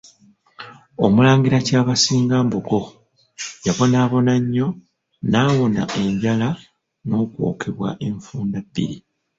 Omulangira Kyabasinga Mbogo, yabonaabona nnyo, n'awona enjala n'okwokebwa enfunda bbiri.